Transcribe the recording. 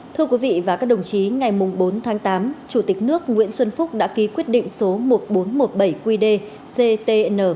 thưa quý vị và các đồng chí ngày bốn tháng tám chủ tịch nước nguyễn xuân phúc đã ký quyết định số một nghìn bốn trăm một mươi bảy qd ctn